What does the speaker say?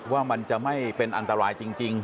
ว่ามันจะไม่เป็นอันตรายจริง